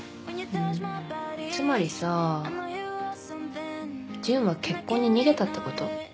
うんつまりさ純は結婚に逃げたってこと？